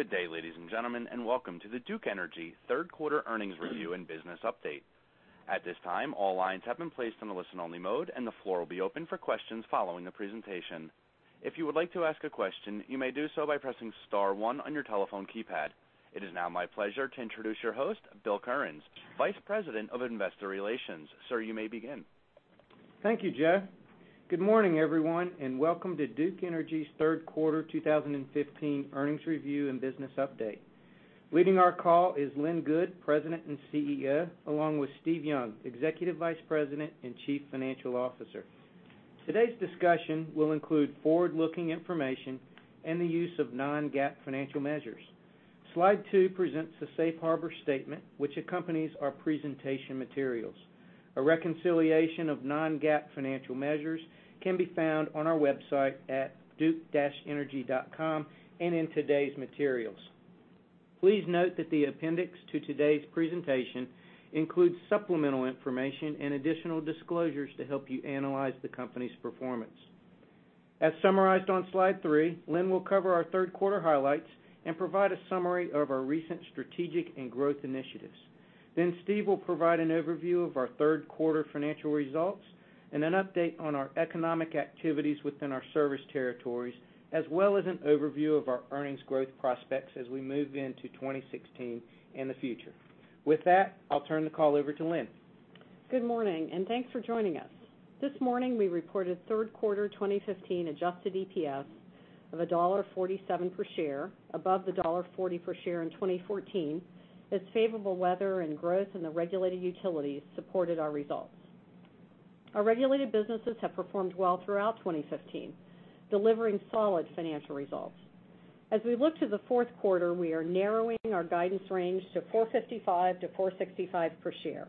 Good day, ladies and gentlemen, and welcome to the Duke Energy third quarter earnings review and business update. At this time, all lines have been placed on a listen-only mode, and the floor will be open for questions following the presentation. If you would like to ask a question, you may do so by pressing star one on your telephone keypad. It is now my pleasure to introduce your host, Bill Currens, Vice President of Investor Relations. Sir, you may begin. Thank you, Jeff. Good morning, everyone, and welcome to Duke Energy's third quarter 2015 earnings review and business update. Leading our call is Lynn Good, President and CEO, along with Steve Young, Executive Vice President and Chief Financial Officer. Today's discussion will include forward-looking information and the use of non-GAAP financial measures. Slide two presents the safe harbor statement which accompanies our presentation materials. A reconciliation of non-GAAP financial measures can be found on our website at duke-energy.com and in today's materials. Please note that the appendix to today's presentation includes supplemental information and additional disclosures to help you analyze the company's performance. As summarized on slide three, Lynn will cover our third quarter highlights and provide a summary of our recent strategic and growth initiatives. Steve will provide an overview of our third quarter financial results and an update on our economic activities within our service territories, as well as an overview of our earnings growth prospects as we move into 2016 and the future. With that, I'll turn the call over to Lynn. Good morning, and thanks for joining us. This morning, we reported third quarter 2015 adjusted EPS of $1.47 per share, above the $1.40 per share in 2014, as favorable weather and growth in the regulated utilities supported our results. Our regulated businesses have performed well throughout 2015, delivering solid financial results. As we look to the fourth quarter, we are narrowing our guidance range to $4.55-$4.65 per share.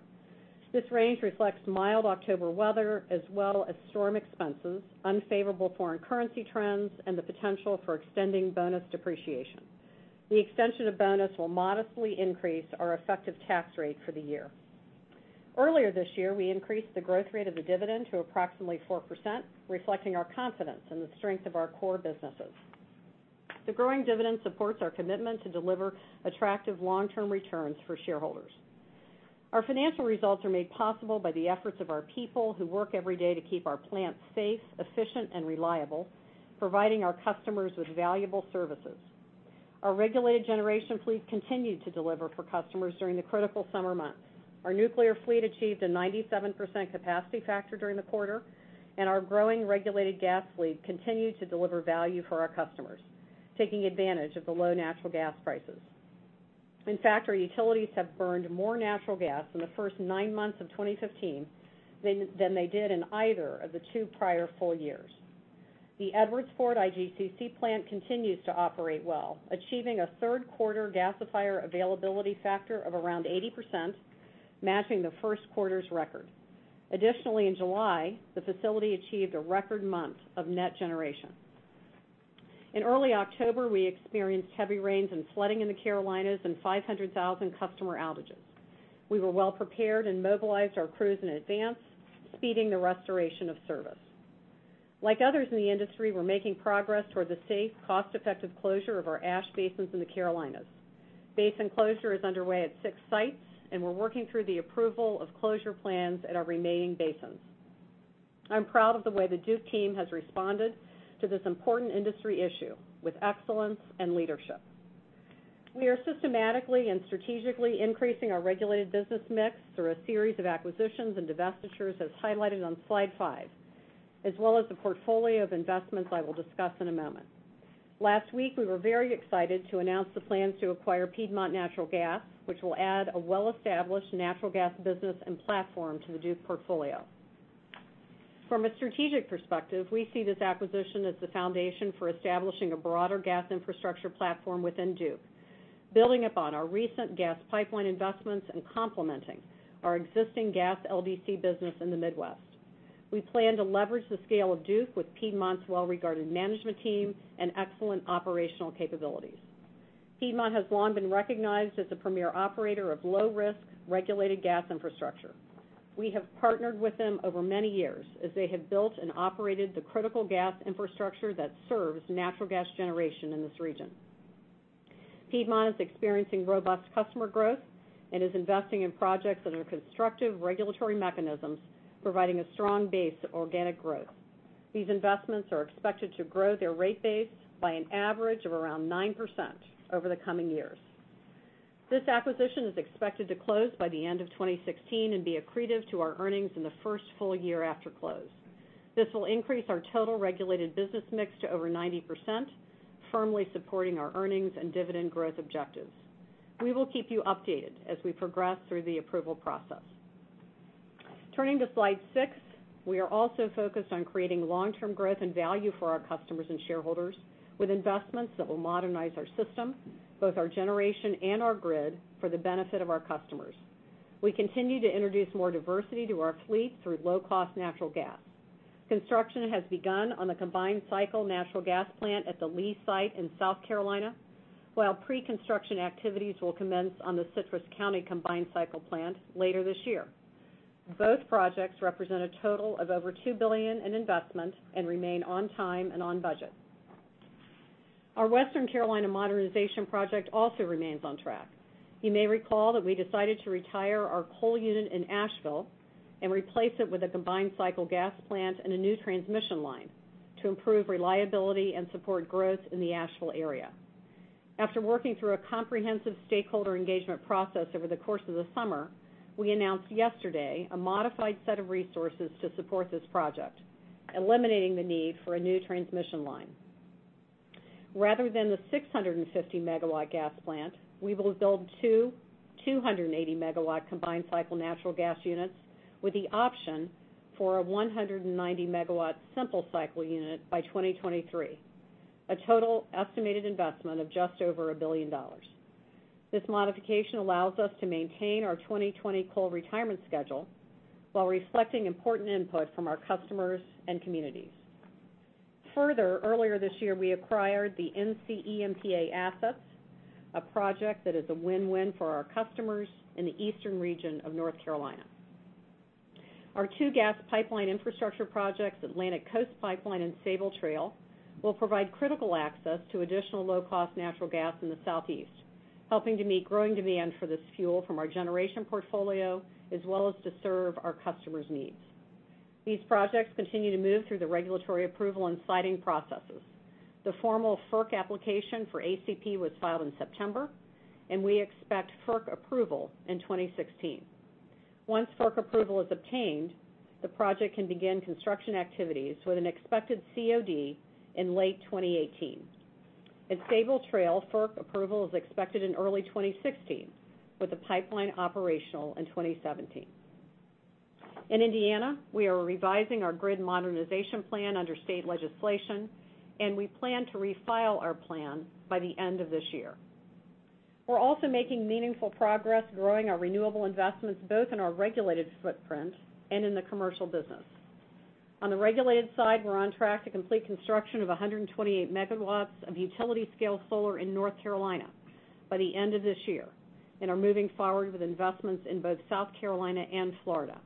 This range reflects mild October weather as well as storm expenses, unfavorable foreign currency trends, and the potential for extending bonus depreciation. The extension of bonus will modestly increase our effective tax rate for the year. Earlier this year, we increased the growth rate of the dividend to approximately 4%, reflecting our confidence in the strength of our core businesses. The growing dividend supports our commitment to deliver attractive long-term returns for shareholders. Our financial results are made possible by the efforts of our people, who work every day to keep our plants safe, efficient, and reliable, providing our customers with valuable services. Our regulated generation fleet continued to deliver for customers during the critical summer months. Our nuclear fleet achieved a 97% capacity factor during the quarter, and our growing regulated gas fleet continued to deliver value for our customers, taking advantage of the low natural gas prices. In fact, our utilities have burned more natural gas in the first nine months of 2015 than they did in either of the two prior full years. The Edwardsport IGCC plant continues to operate well, achieving a third quarter gasifier availability factor of around 80%, matching the first quarter's record. Additionally, in July, the facility achieved a record month of net generation. In early October, we experienced heavy rains and flooding in the Carolinas and 500,000 customer outages. We were well-prepared and mobilized our crews in advance, speeding the restoration of service. Like others in the industry, we're making progress toward the safe, cost-effective closure of our ash basins in the Carolinas. Basin closure is underway at six sites, and we're working through the approval of closure plans at our remaining basins. I'm proud of the way the Duke team has responded to this important industry issue with excellence and leadership. We are systematically and strategically increasing our regulated business mix through a series of acquisitions and divestitures, as highlighted on slide five, as well as the portfolio of investments I will discuss in a moment. Last week, we were very excited to announce the plans to acquire Piedmont Natural Gas, which will add a well-established natural gas business and platform to the Duke portfolio. From a strategic perspective, we see this acquisition as the foundation for establishing a broader gas infrastructure platform within Duke, building upon our recent gas pipeline investments and complementing our existing gas LDC business in the Midwest. We plan to leverage the scale of Duke with Piedmont's well-regarded management team and excellent operational capabilities. Piedmont has long been recognized as the premier operator of low-risk, regulated gas infrastructure. We have partnered with them over many years as they have built and operated the critical gas infrastructure that serves natural gas generation in this region. Piedmont is experiencing robust customer growth and is investing in projects that are constructive regulatory mechanisms, providing a strong base of organic growth. These investments are expected to grow their rate base by an average of around 9% over the coming years. This acquisition is expected to close by the end of 2016 and be accretive to our earnings in the first full year after close. This will increase our total regulated business mix to over 90%, firmly supporting our earnings and dividend growth objectives. We will keep you updated as we progress through the approval process. Turning to slide six, we are also focused on creating long-term growth and value for our customers and shareholders with investments that will modernize our system, both our generation and our grid, for the benefit of our customers. We continue to introduce more diversity to our fleet through low-cost natural gas. Construction has begun on the combined cycle natural gas plant at the Lee site in South Carolina, while pre-construction activities will commence on the Citrus County combined cycle plant later this year. Both projects represent a total of over $2 billion in investment and remain on time and on budget. Our Western Carolina Modernization Project also remains on track. You may recall that we decided to retire our coal unit in Asheville and replace it with a combined cycle gas plant and a new transmission line to improve reliability and support growth in the Asheville area. After working through a comprehensive stakeholder engagement process over the course of the summer, we announced yesterday a modified set of resources to support this project, eliminating the need for a new transmission line. Rather than the 650-megawatt gas plant, we will build two 280-megawatt combined cycle natural gas units with the option for a 190-megawatt simple cycle unit by 2023, a total estimated investment of just over $1 billion. This modification allows us to maintain our 2020 coal retirement schedule while reflecting important input from our customers and communities. Further, earlier this year, we acquired the NCEMPA assets, a project that is a win-win for our customers in the eastern region of North Carolina. Our two gas pipeline infrastructure projects, Atlantic Coast Pipeline and Sabal Trail, will provide critical access to additional low-cost natural gas in the southeast, helping to meet growing demand for this fuel from our generation portfolio, as well as to serve our customers' needs. These projects continue to move through the regulatory approval and siting processes. The formal FERC application for ACP was filed in September. We expect FERC approval in 2016. Once FERC approval is obtained, the project can begin construction activities with an expected COD in late 2018. At Sabal Trail, FERC approval is expected in early 2016, with the pipeline operational in 2017. In Indiana, we are revising our grid modernization plan under state legislation. We plan to refile our plan by the end of this year. We're also making meaningful progress growing our renewable investments, both in our regulated footprint and in the commercial business. On the regulated side, we're on track to complete construction of 128 megawatts of utility-scale solar in North Carolina by the end of this year and are moving forward with investments in both South Carolina and Florida.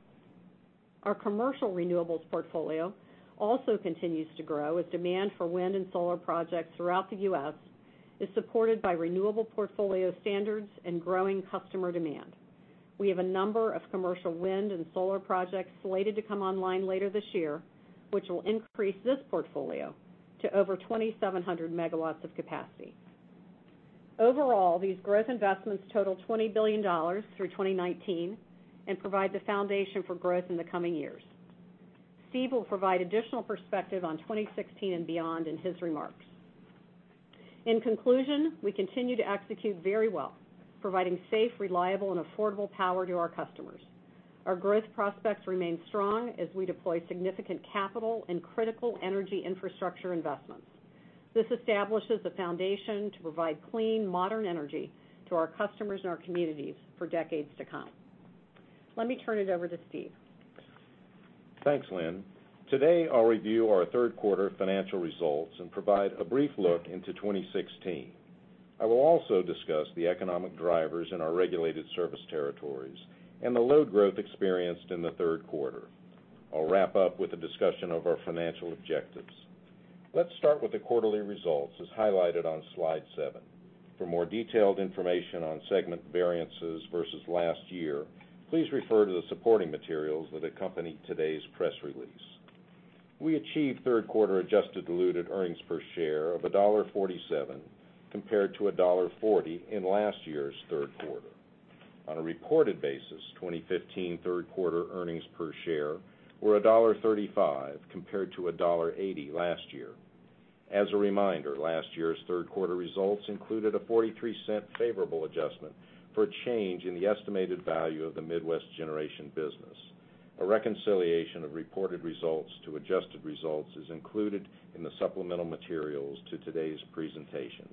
Our commercial renewables portfolio also continues to grow as demand for wind and solar projects throughout the U.S. is supported by renewable portfolio standards and growing customer demand. We have a number of commercial wind and solar projects slated to come online later this year, which will increase this portfolio to over 2,700 megawatts of capacity. Overall, these growth investments total $20 billion through 2019 and provide the foundation for growth in the coming years. Steve will provide additional perspective on 2016 and beyond in his remarks. In conclusion, we continue to execute very well, providing safe, reliable, and affordable power to our customers. Our growth prospects remain strong as we deploy significant capital and critical energy infrastructure investments. This establishes the foundation to provide clean, modern energy to our customers and our communities for decades to come. Let me turn it over to Steve. Thanks, Lynn. Today, I'll review our third-quarter financial results and provide a brief look into 2016. I will also discuss the economic drivers in our regulated service territories and the load growth experienced in the third quarter. I'll wrap up with a discussion of our financial objectives. Let's start with the quarterly results as highlighted on slide seven. For more detailed information on segment variances versus last year, please refer to the supporting materials that accompany today's press release. We achieved third-quarter adjusted diluted earnings per share of $1.47, compared to $1.40 in last year's third quarter. On a reported basis, 2015 third-quarter earnings per share were $1.35, compared to $1.80 last year. As a reminder, last year's third-quarter results included a $0.43 favorable adjustment for a change in the estimated value of the Midwest Generation business. A reconciliation of reported results to adjusted results is included in the supplemental materials to today's presentation.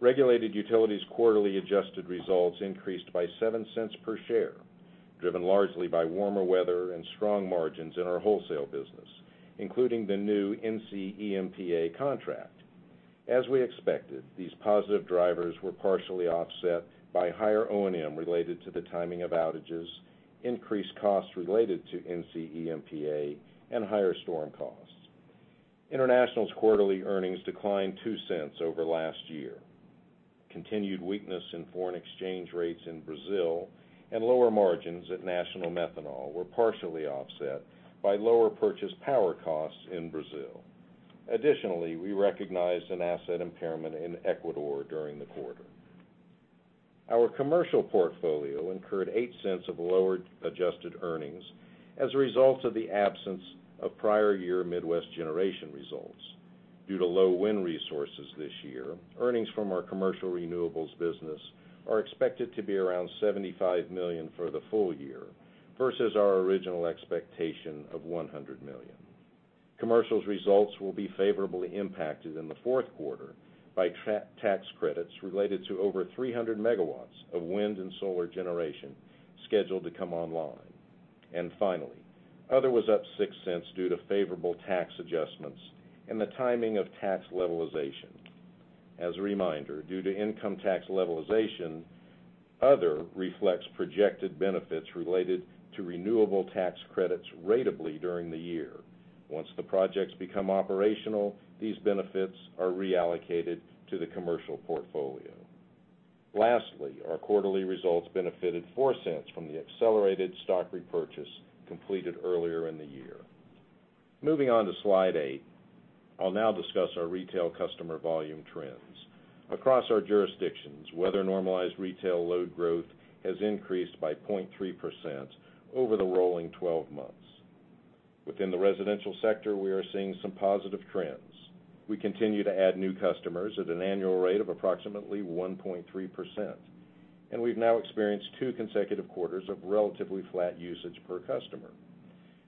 Regulated Utilities' quarterly adjusted results increased by $0.07 per share, driven largely by warmer weather and strong margins in our wholesale business, including the new NCEMPA contract. As we expected, these positive drivers were partially offset by higher O&M related to the timing of outages, increased costs related to NCEMPA, and higher storm costs. International's quarterly earnings declined $0.02 over last year. Continued weakness in foreign exchange rates in Brazil and lower margins at National Methanol were partially offset by lower purchase power costs in Brazil. Additionally, we recognized an asset impairment in Ecuador during the quarter. Our commercial portfolio incurred $0.08 of lower adjusted earnings as a result of the absence of prior year Midwest Generation results. Due to low wind resources this year, earnings from our commercial renewables business are expected to be around $75 million for the full year versus our original expectation of $100 million. Commercial's results will be favorably impacted in the fourth quarter by tax credits related to over 300 megawatts of wind and solar generation scheduled to come online. Finally, other was up $0.06 due to favorable tax adjustments and the timing of tax levelization. As a reminder, due to income tax levelization, other reflects projected benefits related to renewable tax credits ratably during the year. Once the projects become operational, these benefits are reallocated to the commercial portfolio. Lastly, our quarterly results benefited $0.04 from the accelerated stock repurchase completed earlier in the year. Moving on to Slide eight, I'll now discuss our retail customer volume trends. Across our jurisdictions, weather-normalized retail load growth has increased by 0.3% over the rolling 12 months. Within the residential sector, we are seeing some positive trends. We continue to add new customers at an annual rate of approximately 1.3%, and we've now experienced two consecutive quarters of relatively flat usage per customer.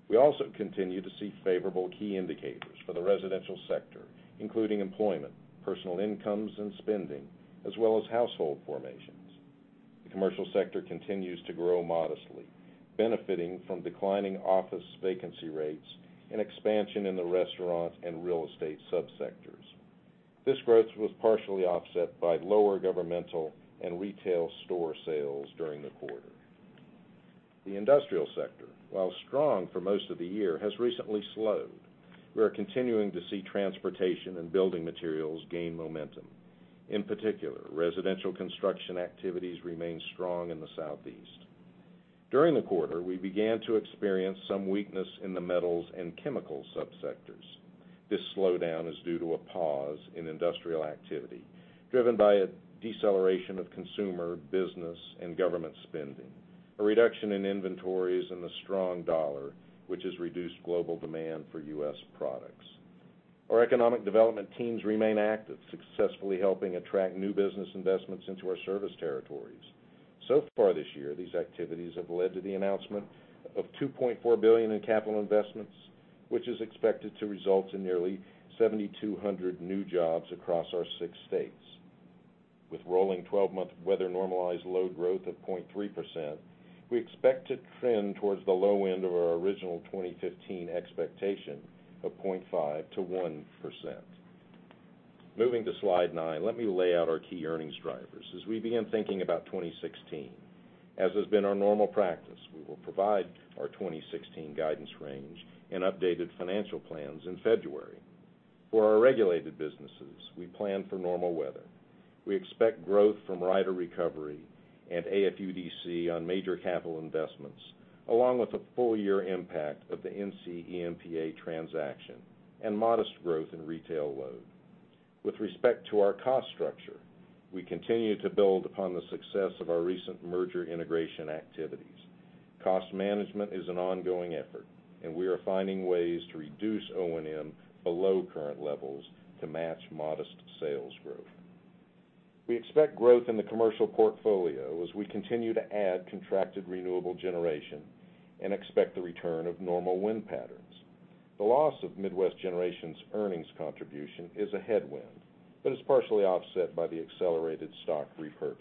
We also continue to see favorable key indicators for the residential sector, including employment, personal incomes, and spending, as well as household formations. The commercial sector continues to grow modestly, benefiting from declining office vacancy rates and expansion in the restaurant and real estate sub-sectors. This growth was partially offset by lower governmental and retail store sales during the quarter. The industrial sector, while strong for most of the year, has recently slowed. We are continuing to see transportation and building materials gain momentum. In particular, residential construction activities remain strong in the Southeast. During the quarter, we began to experience some weakness in the metals and chemical sub-sectors. This slowdown is due to a pause in industrial activity, driven by a deceleration of consumer business and government spending, a reduction in inventories, and the strong dollar, which has reduced global demand for U.S. products. Our economic development teams remain active, successfully helping attract new business investments into our service territories. So far this year, these activities have led to the announcement of $2.4 billion in capital investments, which is expected to result in nearly 7,200 new jobs across our six states. With rolling 12-month weather normalized load growth of 0.3%, we expect to trend towards the low end of our original 2015 expectation of 0.5%-1%. Moving to Slide 9, let me lay out our key earnings drivers as we begin thinking about 2016. As has been our normal practice, we will provide our 2016 guidance range and updated financial plans in February. For our regulated businesses, we plan for normal weather. We expect growth from rider recovery and AFUDC on major capital investments, along with the full-year impact of the NCEMPA transaction and modest growth in retail load. With respect to our cost structure, we continue to build upon the success of our recent merger integration activities. Cost management is an ongoing effort, and we are finding ways to reduce O&M below current levels to match modest sales growth. We expect growth in the commercial portfolio as we continue to add contracted renewable generation and expect the return of normal wind patterns. The loss of Midwest Generation's earnings contribution is a headwind, but is partially offset by the accelerated stock repurchase.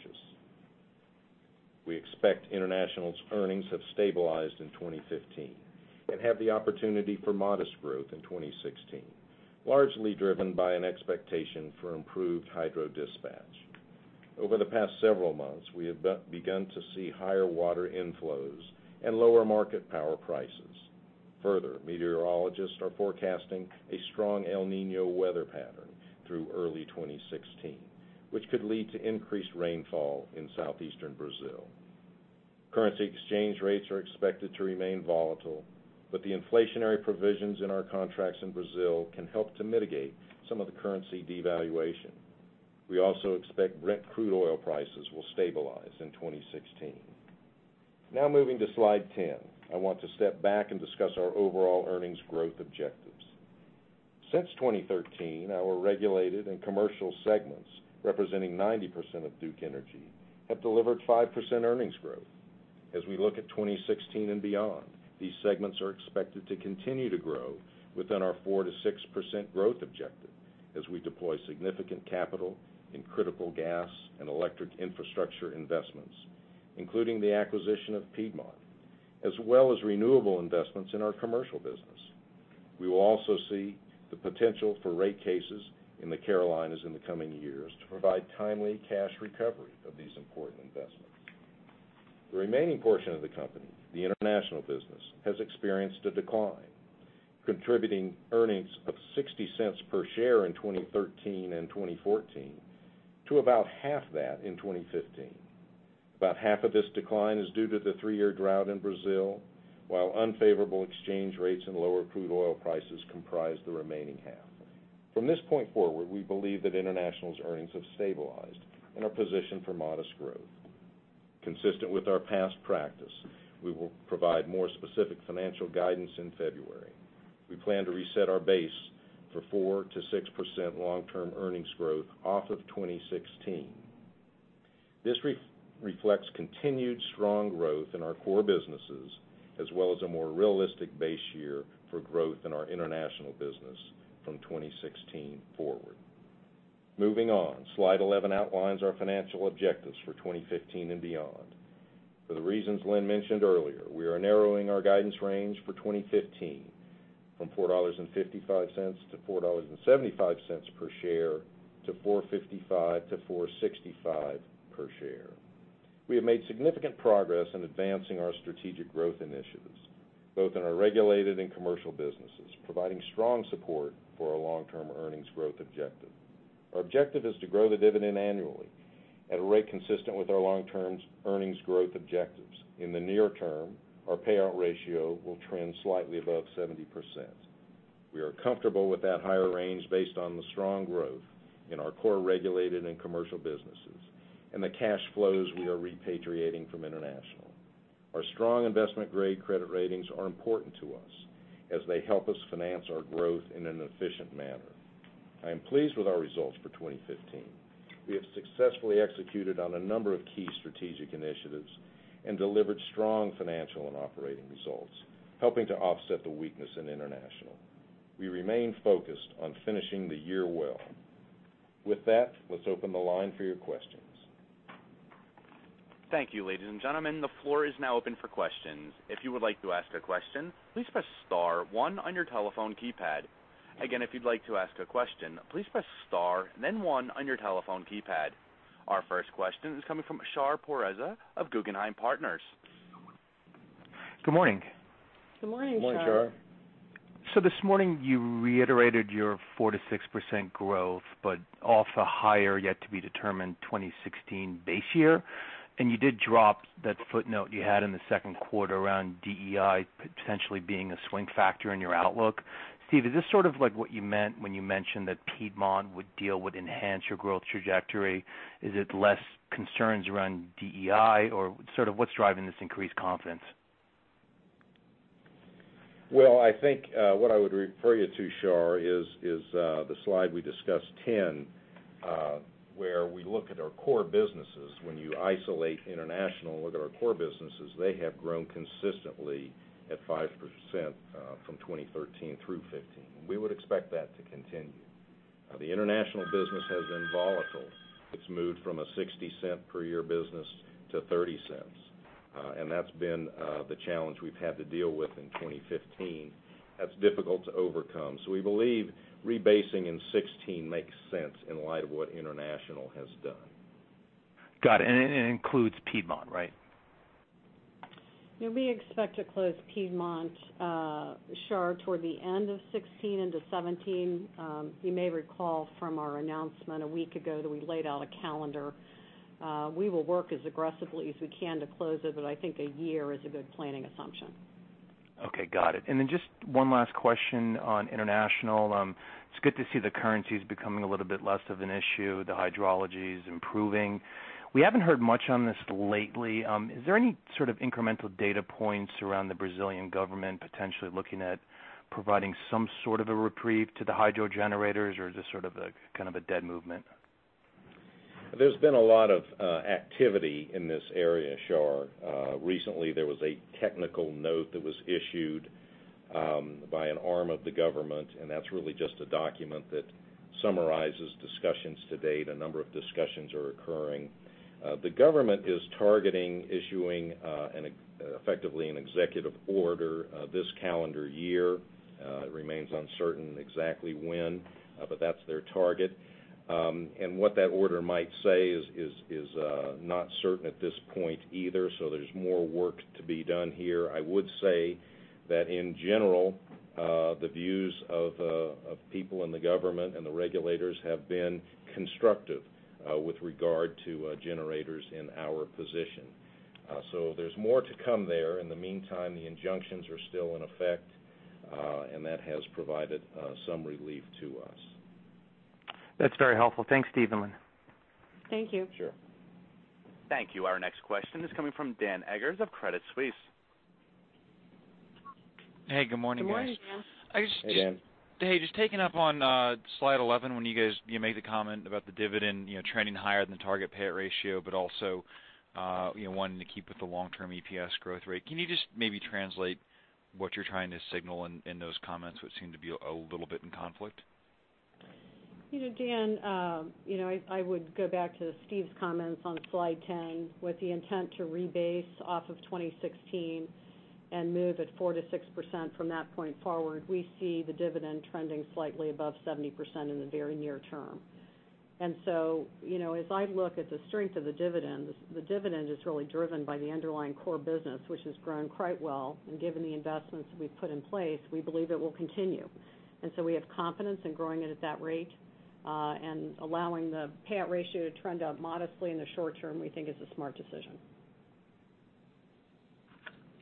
We expect International's earnings have stabilized in 2015 and have the opportunity for modest growth in 2016, largely driven by an expectation for improved hydro dispatch. Over the past several months, we have begun to see higher water inflows and lower market power prices. Further, meteorologists are forecasting a strong El Niño weather pattern through early 2016, which could lead to increased rainfall in southeastern Brazil. Currency exchange rates are expected to remain volatile, but the inflationary provisions in our contracts in Brazil can help to mitigate some of the currency devaluation. We also expect Brent crude oil prices will stabilize in 2016. Moving to Slide 10. I want to step back and discuss our overall earnings growth objectives. Since 2013, our regulated and commercial segments, representing 90% of Duke Energy, have delivered 5% earnings growth. As we look at 2016 and beyond, these segments are expected to continue to grow within our 4%-6% growth objective as we deploy significant capital in critical gas and electric infrastructure investments, including the acquisition of Piedmont, as well as renewable investments in our commercial business. We will also see the potential for rate cases in the Carolinas in the coming years to provide timely cash recovery of these important investments. The remaining portion of the company, the international business, has experienced a decline, contributing earnings of $0.60 per share in 2013 and 2014 to about half that in 2015. About half of this decline is due to the three-year drought in Brazil, while unfavorable exchange rates and lower crude oil prices comprise the remaining half. From this point forward, we believe that International's earnings have stabilized and are positioned for modest growth. Consistent with our past practice, we will provide more specific financial guidance in February. We plan to reset our base for 4%-6% long-term earnings growth off of 2016. This reflects continued strong growth in our core businesses as well as a more realistic base year for growth in our international business from 2016 forward. Moving on. Slide 11 outlines our financial objectives for 2015 and beyond. For the reasons Lynn mentioned earlier, we are narrowing our guidance range for 2015 from $4.55-$4.75 per share to $4.55-$4.65 per share. We have made significant progress in advancing our strategic growth initiatives, both in our regulated and commercial businesses, providing strong support for our long-term earnings growth objective. Our objective is to grow the dividend annually at a rate consistent with our long-term earnings growth objectives. In the near term, our payout ratio will trend slightly above 70%. We are comfortable with that higher range based on the strong growth in our core regulated and commercial businesses and the cash flows we are repatriating from international. Our strong investment-grade credit ratings are important to us as they help us finance our growth in an efficient manner. I am pleased with our results for 2015. We have successfully executed on a number of key strategic initiatives and delivered strong financial and operating results, helping to offset the weakness in international. We remain focused on finishing the year well. Let's open the line for your questions. Thank you, ladies and gentlemen, the floor is now open for questions. If you would like to ask a question, please press star one on your telephone keypad. Again, if you'd like to ask a question, please press star and then one on your telephone keypad. Our first question is coming from Shar Pourreza of Guggenheim Partners. Good morning. Good morning. Good morning, Shar. This morning you reiterated your 4%-6% growth, but off a higher, yet to be determined 2016 base year. You did drop that footnote you had in the second quarter around DEI potentially being a swing factor in your outlook. Steve, is this sort of like what you meant when you mentioned that Piedmont would deal will enhance your growth trajectory? Is it less concerns around DEI, or what's driving this increased confidence? I think, what I would refer you to, Shar, is the slide we discussed, 10, where we look at our core businesses. When you isolate international, look at our core businesses, they have grown consistently at 5% from 2013 through 2015. We would expect that to continue. The international business has been volatile. It's moved from a $0.60 per year business to $0.30. That's been the challenge we've had to deal with in 2015. That's difficult to overcome. We believe rebasing in 2016 makes sense in light of what international has done. Got it. It includes Piedmont, right? We expect to close Piedmont, Shar, toward the end of 2016 into 2017. You may recall from our announcement a week ago that we laid out a calendar. We will work as aggressively as we can to close it, but I think a year is a good planning assumption. Okay. Got it. Just one last question on international. It's good to see the currency's becoming a little bit less of an issue. The hydrology is improving. We haven't heard much on this lately. Is there any sort of incremental data points around the Brazilian government potentially looking at providing some sort of a reprieve to the hydro generators, or is this sort of a dead movement? There's been a lot of activity in this area, Shar. Recently, there was a technical note that was issued by an arm of the government, that's really just a document that summarizes discussions to date. A number of discussions are occurring. The government is targeting issuing effectively an executive order this calendar year. It remains uncertain exactly when, but that's their target. What that order might say is not certain at this point either, so there's more work to be done here. I would say that in general, the views of people in the government and the regulators have been constructive with regard to generators in our position. There's more to come there. In the meantime, the injunctions are still in effect, and that has provided some relief to us. That's very helpful. Thanks, Steve and Lynn. Thank you. Sure. Thank you. Our next question is coming from Dan Eggers of Credit Suisse. Hey, good morning, guys. Good morning, Dan. Hey, Dan. Hey, just taking up on slide 11, when you guys made the comment about the dividend trending higher than target payout ratio, also wanting to keep with the long-term EPS growth rate. Can you just maybe translate what you're trying to signal in those comments, which seem to be a little bit in conflict? Dan, I would go back to Steve's comments on slide 10 with the intent to rebase off of 2016 and move at 4%-6% from that point forward. We see the dividend trending slightly above 70% in the very near term. As I look at the strength of the dividend, the dividend is really driven by the underlying core business, which has grown quite well. Given the investments we've put in place, we believe it will continue. We have confidence in growing it at that rate, and allowing the payout ratio to trend up modestly in the short term, we think is a smart decision.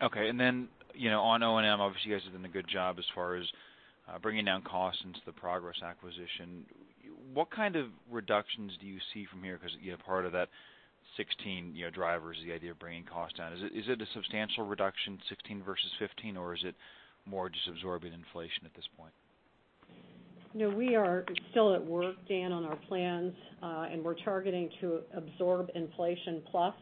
Okay. On O&M, obviously, you guys have done a good job as far as bringing down costs into the Progress acquisition. What kind of reductions do you see from here? Because part of that 2016 driver is the idea of bringing costs down. Is it a substantial reduction, 2016 versus 2015, or is it more just absorbing inflation at this point? No, we are still at work, Dan, on our plans. We're targeting to absorb inflation plus.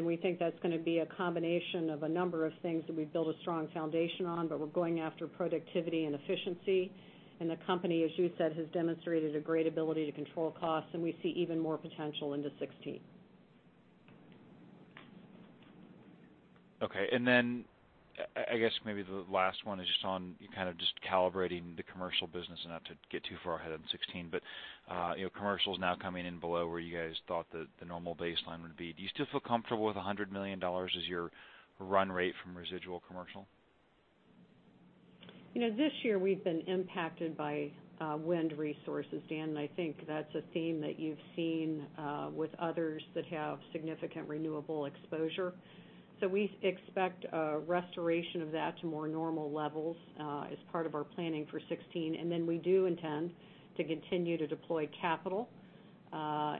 We think that's going to be a combination of a number of things that we've built a strong foundation on, but we're going after productivity and efficiency. The company, as you said, has demonstrated a great ability to control costs, and we see even more potential into 2016. Okay. I guess maybe the last one is just on just calibrating the commercial business. Not to get too far ahead on 2016, commercial's now coming in below where you guys thought that the normal baseline would be. Do you still feel comfortable with $100 million as your run rate from residual commercial? This year we've been impacted by wind resources, Dan. I think that's a theme that you've seen with others that have significant renewable exposure. We expect a restoration of that to more normal levels as part of our planning for 2016. We do intend to continue to deploy capital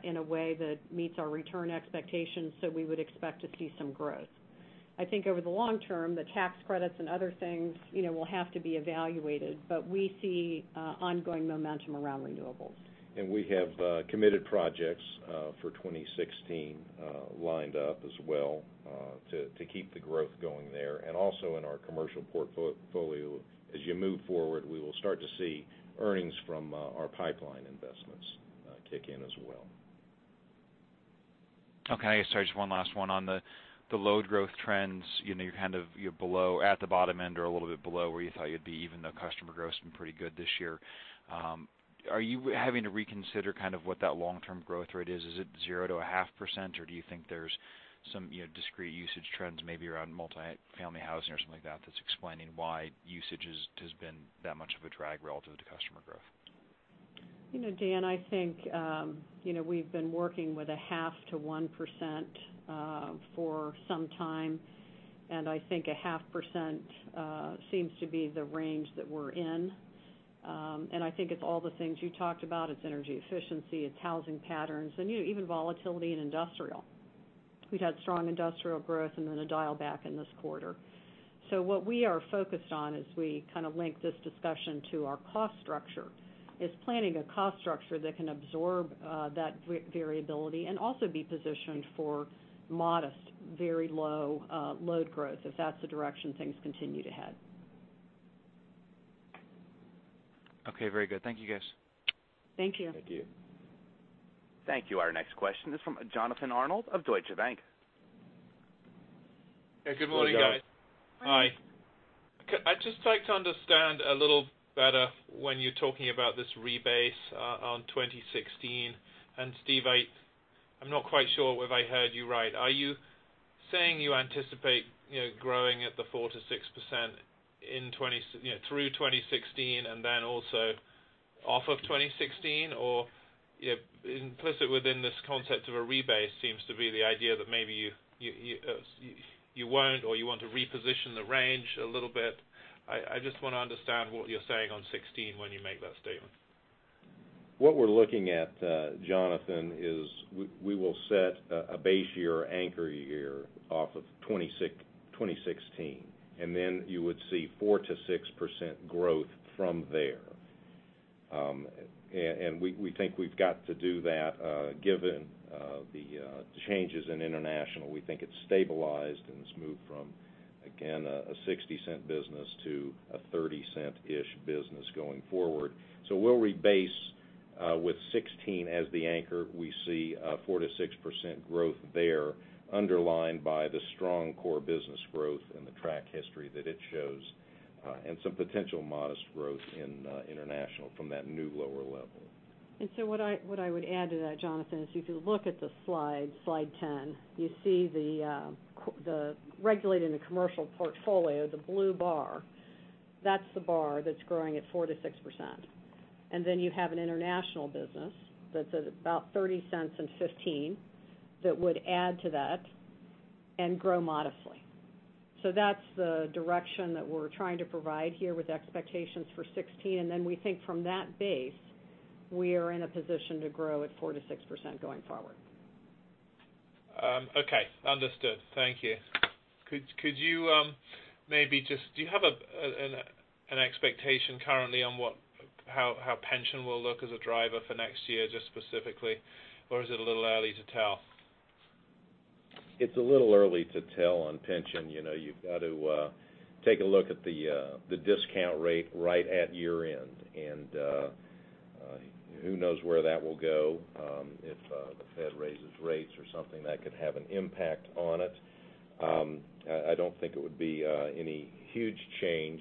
in a way that meets our return expectations. We would expect to see some growth. I think over the long term, the tax credits and other things will have to be evaluated, but we see ongoing momentum around renewables. We have committed projects for 2016 lined up as well to keep the growth going there. Also in our commercial portfolio, as you move forward, we will start to see earnings from our pipeline investments kick in as well. Okay. I guess just one last one on the load growth trends. You're below, at the bottom end or a little bit below where you thought you'd be, even though customer growth's been pretty good this year. Are you having to reconsider what that long-term growth rate is? Is it zero to a half percent, or do you think there's some discrete usage trends maybe around multi-family housing or something like that's explaining why usage has been that much of a drag relative to customer growth? Dan, I think we've been working with a half to 1% for some time, and I think a half percent seems to be the range that we're in. I think it's all the things you talked about. It's energy efficiency, it's housing patterns, and even volatility in industrial. We've had strong industrial growth and then a dial back in this quarter. What we are focused on as we link this discussion to our cost structure, is planning a cost structure that can absorb that variability and also be positioned for modest, very low load growth if that's the direction things continue to head. Okay. Very good. Thank you, guys. Thank you. Thank you. Thank you. Our next question is from Jonathan Arnold of Deutsche Bank. Hey, good morning, guys. Good morning. Hi. Hi. I'd just like to understand a little better when you're talking about this rebase on 2016. Steve, I'm not quite sure if I heard you right. Are you saying you anticipate growing at the 4%-6% through 2016 and then also off of 2016, or implicit within this concept of a rebase seems to be the idea that maybe you won't or you want to reposition the range a little bit. I just want to understand what you're saying on 2016 when you make that statement. What we're looking at, Jonathan, is we will set a base year or anchor year off of 2016, then you would see 4%-6% growth from there. We think we've got to do that given the changes in international. We think it's stabilized, and it's moved from, again, a $0.60 business to a $0.30-ish business going forward. We'll rebase with 2016 as the anchor. We see 4%-6% growth there, underlined by the strong core business growth and the track history that it shows, and some potential modest growth in international from that new, lower level. What I would add to that, Jonathan, is if you look at the slide 10, you see the regulated and the commercial portfolio, the blue bar. That's the bar that's growing at 4%-6%. Then you have an international business that's at about $0.30 in 2015 that would add to that and grow modestly. That's the direction that we're trying to provide here with expectations for 2016. Then we think from that base, we are in a position to grow at 4%-6% going forward. Okay. Understood. Thank you. Do you have an expectation currently on how pension will look as a driver for next year, just specifically, or is it a little early to tell? It's a little early to tell on pension. You've got to take a look at the discount rate right at year-end. Who knows where that will go. If the Fed raises rates or something, that could have an impact on it. I don't think it would be any huge change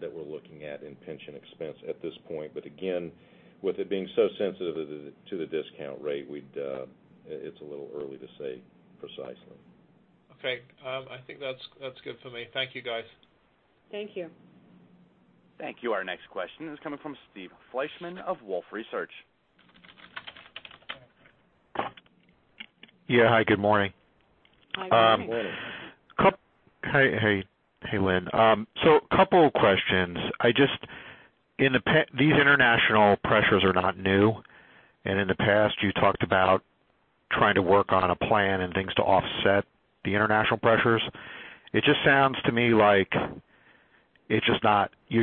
that we're looking at in pension expense at this point. Again, with it being so sensitive to the discount rate, it's a little early to say precisely. Okay. I think that's good for me. Thank you, guys. Thank you. Thank you. Our next question is coming from Steve Fleishman of Wolfe Research. Yeah. Hi, good morning. Hi. Good morning. Hey, Lynn. A couple of questions. These international pressures are not new, and in the past, you talked about trying to work on a plan and things to offset the international pressures. It just sounds to me like you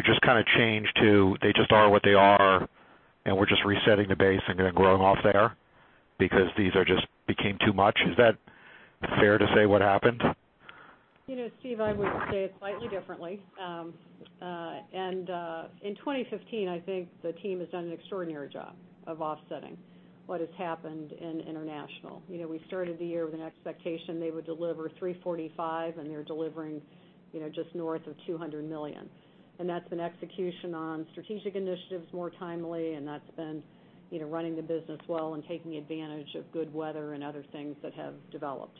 just changed to they just are what they are, and we're just resetting the base and then growing off there because these just became too much. Is that fair to say what happened? Steve, I would say it slightly differently. In 2015, I think the team has done an extraordinary job of offsetting what has happened in international. We started the year with an expectation they would deliver $345, and they're delivering just north of $200 million. That's been execution on strategic initiatives more timely, and that's been running the business well and taking advantage of good weather and other things that have developed.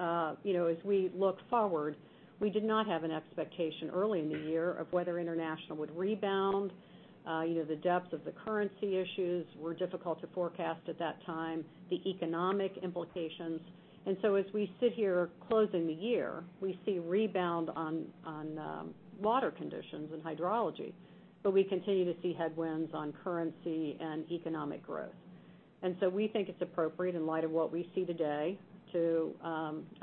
As we look forward, we did not have an expectation early in the year of whether international would rebound. The depth of the currency issues were difficult to forecast at that time, the economic implications. As we sit here closing the year, we see rebound on water conditions and hydrology, but we continue to see headwinds on currency and economic growth. We think it's appropriate in light of what we see today to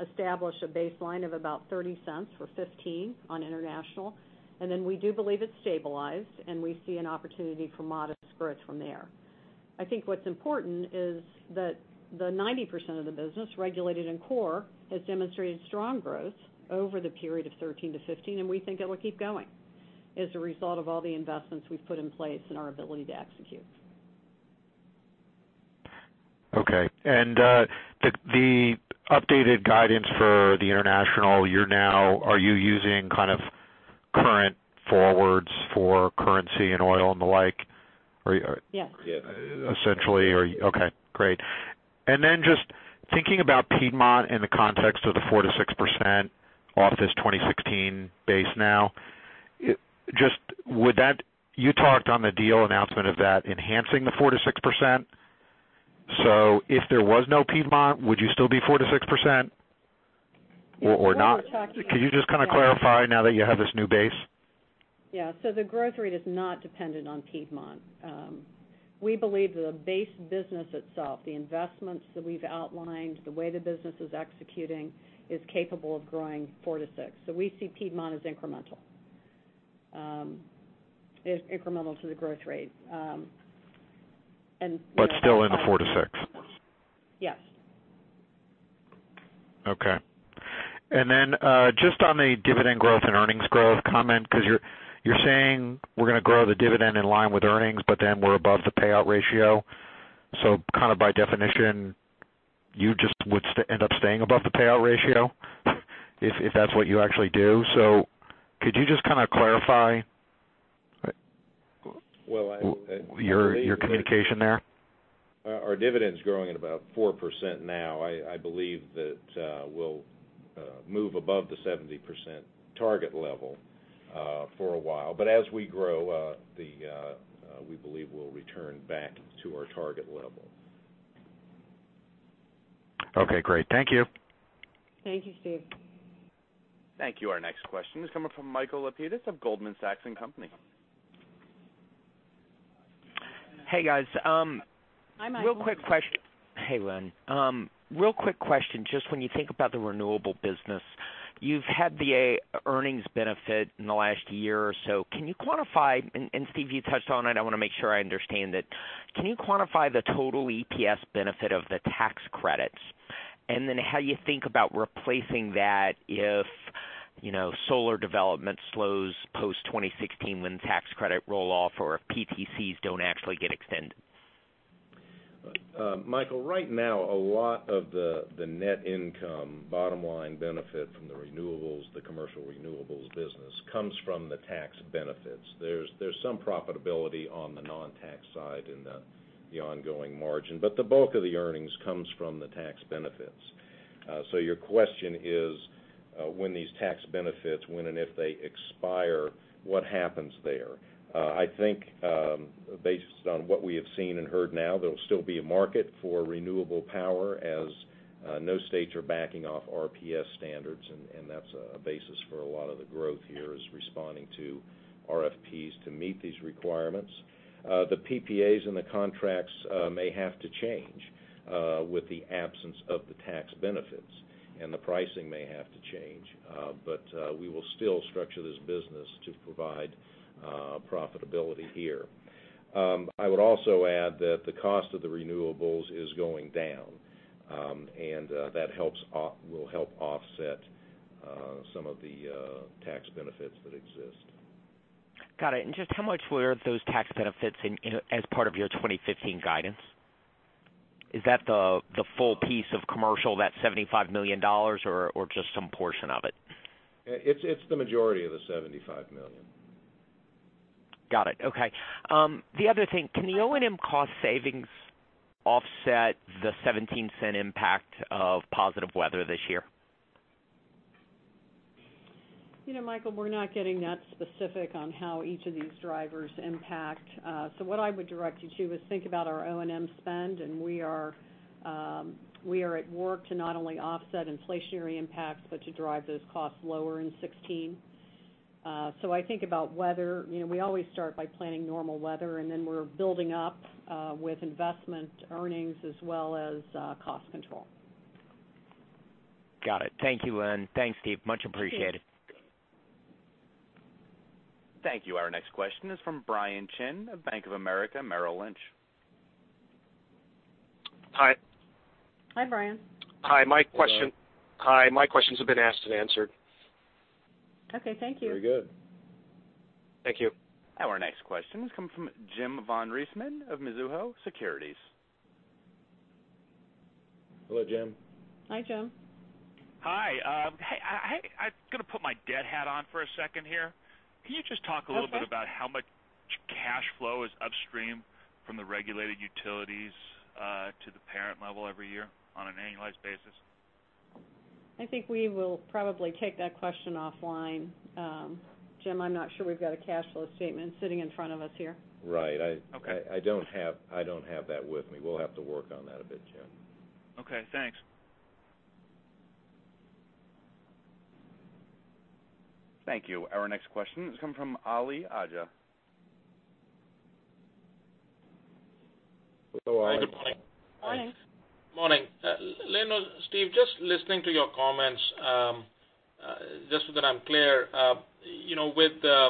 establish a baseline of about $0.30 or $0.15 on international. We do believe it's stabilized, and we see an opportunity for modest growth from there. I think what's important is that the 90% of the business regulated in core has demonstrated strong growth over the period of 2013 to 2015, and we think it will keep going as a result of all the investments we've put in place and our ability to execute. Okay. The updated guidance for the international, are you using kind of current forwards for currency and oil and the like? Yes. Essentially. Okay, great. Then just thinking about Piedmont in the context of the 4%-6% off this 2016 base now, you talked on the deal announcement of that enhancing the 4%-6%. If there was no Piedmont, would you still be 4%-6% or not? Could you just kind of clarify now that you have this new base? Yeah. The growth rate is not dependent on Piedmont. We believe the base business itself, the investments that we've outlined, the way the business is executing, is capable of growing 4%-6%. We see Piedmont as incremental to the growth rate. Still in the 4%-6%. Yes. Okay. Just on the dividend growth and earnings growth comment, because you're saying we're going to grow the dividend in line with earnings, but then we're above the payout ratio. Kind of by definition, you just would end up staying above the payout ratio if that's what you actually do. Could you just kind of clarify your communication there? Our dividend's growing at about 4% now. I believe that we'll move above the 70% target level for a while. As we grow, we believe we'll return back to our target level. Okay, great. Thank you. Thank you, Steve. Thank you. Our next question is coming from Michael Lapides of Goldman Sachs & Co. Hey, guys. Hi, Michael. Real quick question. Hey, Lynn. Real quick question, just when you think about the renewable business. You've had the earnings benefit in the last year or so. Steve, you touched on it, I want to make sure I understand it. Can you quantify the total EPS benefit of the tax credits? Then how you think about replacing that if solar development slows post-2016 when tax credit roll-off or if PTCs don't actually get extended? Michael, right now, a lot of the net income bottom line benefit from the renewables, the commercial renewables business, comes from the tax benefits. There's some profitability on the non-tax side in the ongoing margin. The bulk of the earnings comes from the tax benefits. Your question is, when these tax benefits, when and if they expire, what happens there? I think, based on what we have seen and heard now, there'll still be a market for renewable power as no states are backing off RPS standards, and that's a basis for a lot of the growth here is responding to RFPs to meet these requirements. The PPAs and the contracts may have to change with the absence of the tax benefits, and the pricing may have to change. We will still structure this business to provide profitability here. I would also add that the cost of the renewables is going down, and that will help offset some of the tax benefits that exist. Got it. Just how much were those tax benefits as part of your 2015 guidance? Is that the full piece of commercial, that $75 million, or just some portion of it? It's the majority of the $75 million. Got it. Okay. The other thing, can the O&M cost savings offset the $0.17 impact of positive weather this year? Michael, we're not getting that specific on how each of these drivers impact. What I would direct you to is think about our O&M spend, and we are at work to not only offset inflationary impacts, but to drive those costs lower in 2016. I think about weather. We always start by planning normal weather, then we're building up with investment earnings as well as cost control. Got it. Thank you, Lynn. Thanks, Steve. Much appreciated. Thank you. Our next question is from Brian Chin of Bank of America Merrill Lynch. Hi. Hi, Brian. Hi. My questions have been asked and answered. Okay, thank you. Very good. Thank you. Our next question has come from James von Riesemann of Mizuho Securities. Hello, Jim. Hi, Jim. Hi. I'm going to put my debt hat on for a second here. Okay. Can you just talk a little bit about how much cash flow is upstream from the regulated utilities to the parent level every year on an annualized basis? I think we will probably take that question offline. Jim, I'm not sure we've got a cash flow statement sitting in front of us here. Right. Okay. I don't have that with me. We'll have to work on that a bit, Jim. Okay, thanks. Thank you. Our next question has come from Ali Aja. Hello, Ali. Hi, good morning. Hi. Morning. Lynn or Steve, just listening to your comments, just so that I'm clear, with the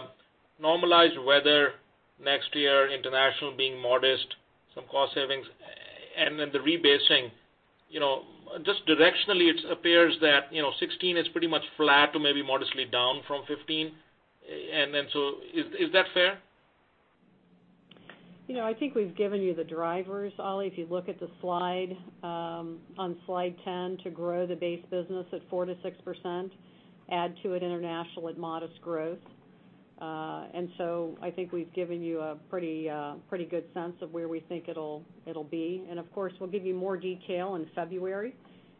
normalized weather next year, international being modest, some cost savings, and then the rebasing, just directionally, it appears that 2016 is pretty much flat to maybe modestly down from 2015. Is that fair? I think we've given you the drivers, Ali. If you look at the slide, on slide 10, to grow the base business at 4%-6%, add to it international at modest growth. I think we've given you a pretty good sense of where we think it'll be. Of course, we'll give you more detail in February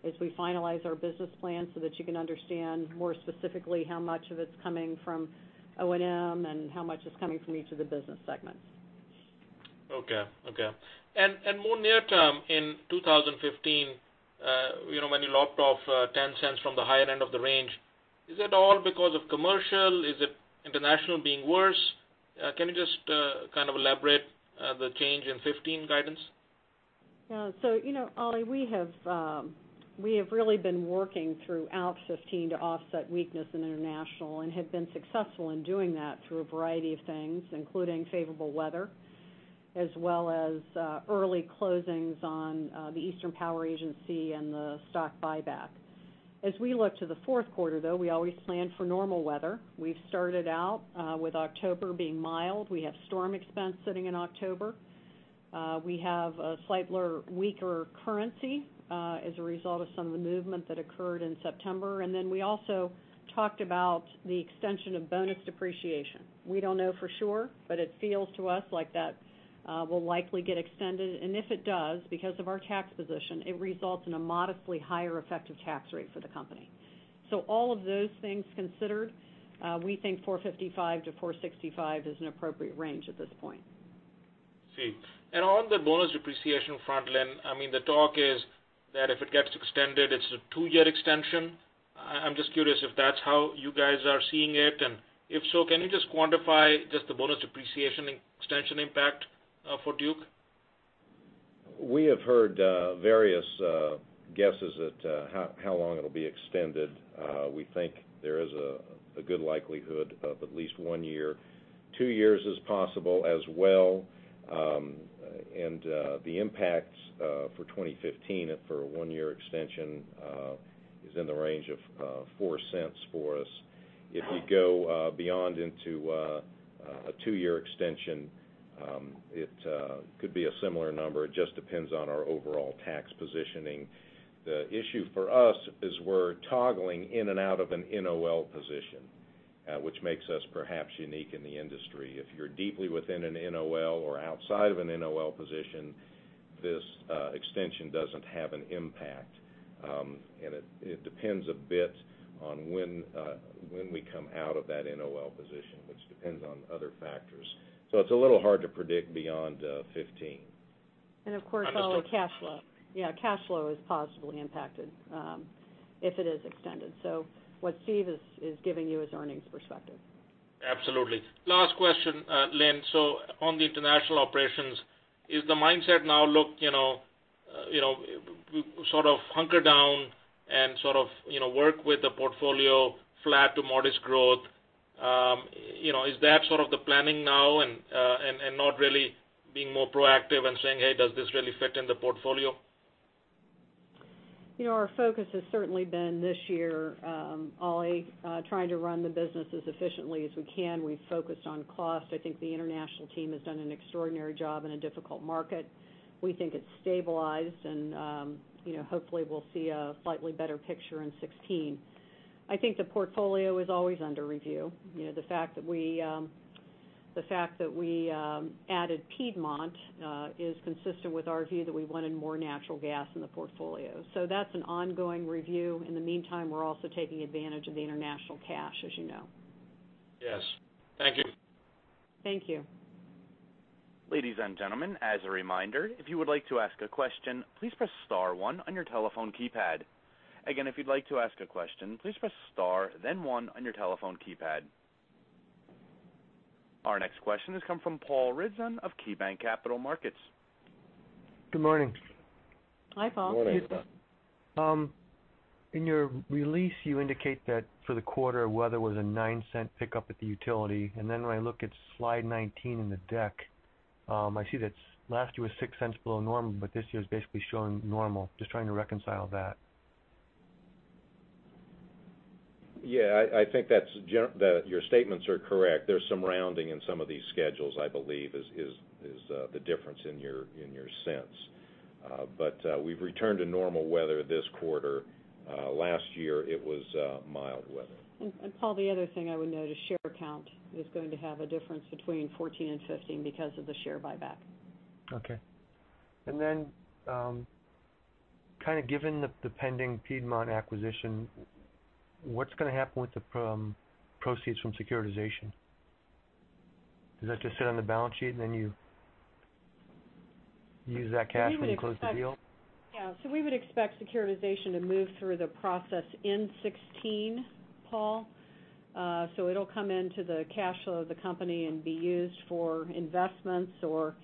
as we finalize our business plan so that you can understand more specifically how much of it's coming from O&M and how much is coming from each of the business segments. More near term, in 2015, when you lopped off $0.10 from the higher end of the range, is that all because of commercial? Is it international being worse? Can you just elaborate the change in 2015 guidance? Yeah. Ali, we have really been working throughout 2015 to offset weakness in international and have been successful in doing that through a variety of things, including favorable weather, as well as early closings on the Eastern Power Agency and the stock buyback. As we look to the fourth quarter, though, we always plan for normal weather. We've started out with October being mild. We have storm expense sitting in October. We have a slightly weaker currency as a result of some of the movement that occurred in September. We also talked about the extension of bonus depreciation. We don't know for sure, but it feels to us like that will likely get extended. If it does, because of our tax position, it results in a modestly higher effective tax rate for the company. All of those things considered, we think $4.55-$4.65 is an appropriate range at this point. I see. On the bonus depreciation front, Lynn, the talk is that if it gets extended, it's a 2-year extension. I'm just curious if that's how you guys are seeing it. If so, can you just quantify just the bonus depreciation extension impact for Duke? We have heard various guesses at how long it'll be extended. We think there is a good likelihood of at least one year. Two years is possible as well. The impacts for 2015 for a one-year extension is in the range of $0.04 for us. If you go beyond into a two-year extension, it could be a similar number. It just depends on our overall tax positioning. The issue for us is we're toggling in and out of an NOL position, which makes us perhaps unique in the industry. If you're deeply within an NOL or outside of an NOL position, this extension doesn't have an impact. It depends a bit on when we come out of that NOL position, which depends on other factors. It's a little hard to predict beyond 2015. Of course, Ali, cash flow. Yeah, cash flow is positively impacted if it is extended. What Steve is giving you is earnings perspective. Absolutely. Last question, Lynn. On the international operations, is the mindset now look, sort of hunker down and sort of work with the portfolio flat to modest growth? Is that sort of the planning now and not really being more proactive and saying, "Hey, does this really fit in the portfolio? Our focus has certainly been this year, Ali, trying to run the business as efficiently as we can. We've focused on cost. I think the international team has done an extraordinary job in a difficult market. We think it's stabilized and hopefully, we'll see a slightly better picture in 2016. I think the portfolio is always under review. The fact that we added Piedmont is consistent with our view that we wanted more natural gas in the portfolio. That's an ongoing review. In the meantime, we're also taking advantage of the international cash, as you know. Yes. Thank you. Thank you. Ladies and gentlemen, as a reminder, if you would like to ask a question, please press star one on your telephone keypad. Again, if you'd like to ask a question, please press star then one on your telephone keypad. Our next question has come from Paul Ridzon of KeyBank Capital Markets. Good morning. Hi, Paul. Good morning. In your release, you indicate that for the quarter, weather was a $0.09 pickup at the utility. When I look at slide 19 in the deck, I see that last year was $0.06 below normal, this year's basically showing normal. Just trying to reconcile that. Yeah, I think your statements are correct. There's some rounding in some of these schedules, I believe is the difference in your cents. We've returned to normal weather this quarter. Last year, it was mild weather. Paul, the other thing I would note is share count is going to have a difference between 2014 and 2015 because of the share buyback. Okay. Given the pending Piedmont acquisition, what's going to happen with the proceeds from securitization? Does that just sit on the balance sheet and then you use that cash when you close the deal? Yeah, we would expect securitization to move through the process in 2016, Paul. It'll come into the cash flow of the company and be used for investments or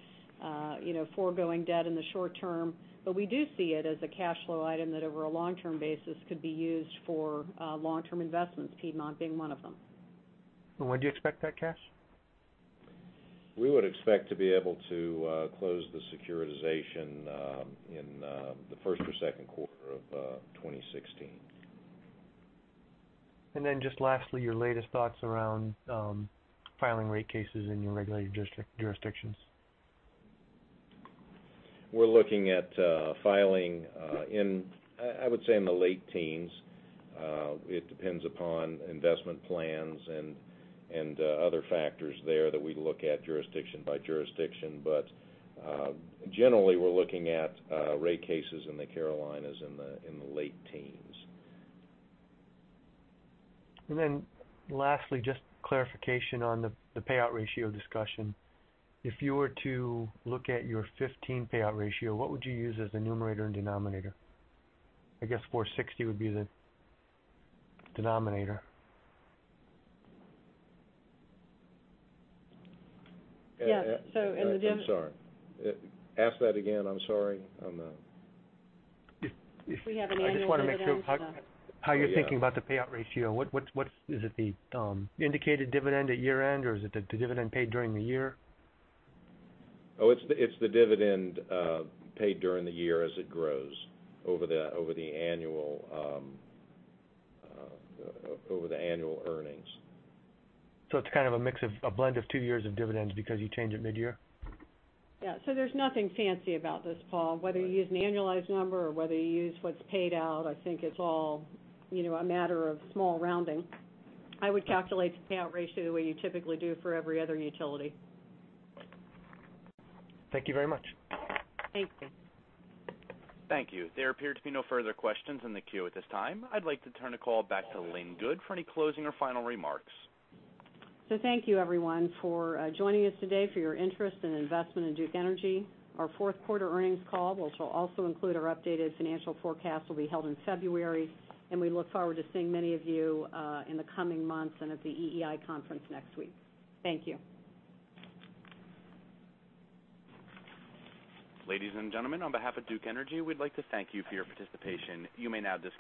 foregoing debt in the short term. We do see it as a cash flow item that over a long-term basis could be used for long-term investments, Piedmont being one of them. When do you expect that cash? We would expect to be able to close the securitization in the first or second quarter of 2016. Lastly, your latest thoughts around filing rate cases in your regulated jurisdictions. We're looking at filing in, I would say, in the late teens. It depends upon investment plans and other factors there that we look at jurisdiction by jurisdiction. Generally, we're looking at rate cases in the Carolinas in the late teens. Lastly, just clarification on the payout ratio discussion. If you were to look at your 2015 payout ratio, what would you use as the numerator and denominator? I guess 460 would be the denominator. Yes, so in the I'm sorry. Ask that again. I'm sorry. We have an annual dividend, so. I just want to make sure how you're thinking about the payout ratio. Is it the indicated dividend at year-end, or is it the dividend paid during the year? Oh, it's the dividend paid during the year as it grows over the annual earnings. It's kind of a blend of two years of dividends because you change it mid-year? Yeah. There's nothing fancy about this, Paul. Whether you use an annualized number or whether you use what's paid out, I think it's all a matter of small rounding. I would calculate the payout ratio the way you typically do for every other utility. Thank you very much. Thank you. Thank you. There appear to be no further questions in the queue at this time. I'd like to turn the call back to Lynn Good for any closing or final remarks. Thank you everyone for joining us today, for your interest and investment in Duke Energy. Our fourth quarter earnings call, which will also include our updated financial forecast, will be held in February, and we look forward to seeing many of you in the coming months and at the EEI conference next week. Thank you. Ladies and gentlemen, on behalf of Duke Energy, we'd like to thank you for your participation. You may now disconnect.